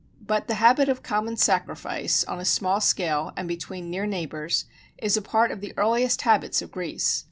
But the habit of common sacrifice, on a small scale and between near neighbors, is a part of the earliest habits of Greece.